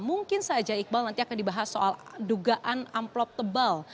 mungkin saja iqbal nanti akan dibahas soal dugaan amplop tebal